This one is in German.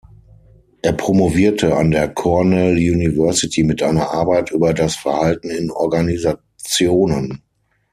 Er promovierte an der Cornell University, mit einer Arbeit über das Verhalten in Organisationen.